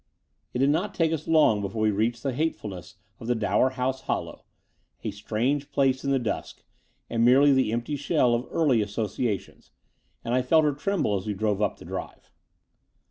It did not take us long before we reached the hatefulness of the Dower House hollow, a strange place in the dusk, and merely the empty shell of early associations; and I felt her tremble as we drove up the drive.